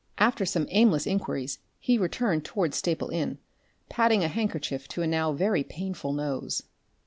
After some aimless inquiries he returned towards Staple Inn, padding a handkerchief to a now very painful nose.